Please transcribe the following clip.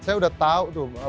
saya udah tau tuh